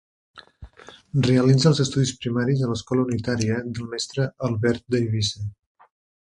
Realitza els estudis primaris a l’escola unitària del mestre Albert d’Eivissa.